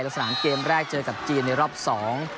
ลักษณะเกมแรกเจอกับจีนในรอบสอง